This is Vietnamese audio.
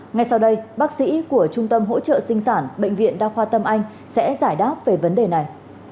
ngay sau đây bác sĩ của trung tâm hỗ trợ sinh sản bệnh viện đa khoa tâm anh sẽ giải đáp về vấn đề này